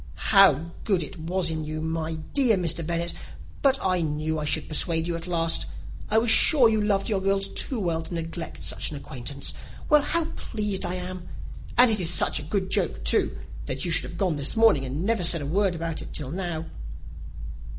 "How good it was in you, my dear Mr. Bennet! But I knew I should persuade you at last. I was sure you loved your girls too well to neglect such an acquaintance. Well, how pleased I am! And it is such a good joke, too, that you should have gone this morning, and never said a word about it till now."